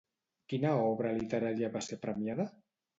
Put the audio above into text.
Quina obra literària va ser premiada?